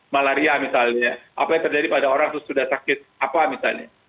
malaria misalnya apa yang terjadi pada orang sudah sakit apa misalnya